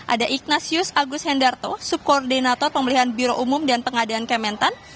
ada ignasius agus hendarto sub koordinator pembelian biro umum dan pengadaan kementerian